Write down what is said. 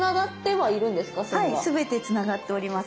はいすべてつながっております。